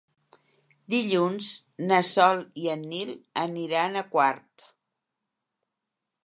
Dilluns na Sol i en Nil aniran a Quart.